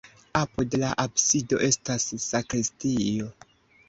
Apud la absido estas sakristio.